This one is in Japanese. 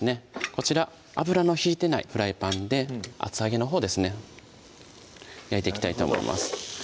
こちら油の引いてないフライパンで厚揚げのほうですね焼いていきたいと思います